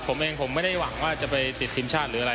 ผมเองผมไม่ได้หวังว่าจะไปติดทีมชาติหรืออะไร